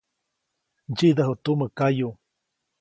Ntsyidäju tumä kayuʼ.